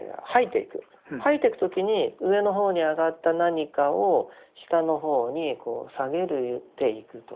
吐いていく時に上の方に上がった何かを下の方に下げていくと。